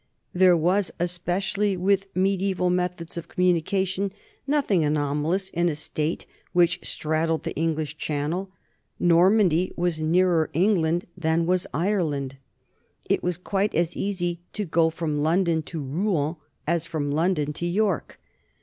There was, especially with mediaeval methods of com munication, nothing anomalous in a state which strad dled the English Channel: Normandy was nearer Eng 88 NORMANS IN EUROPEAN HISTORY land than was Ireland; it was quite as easy to go from London to Rouen as from London to York.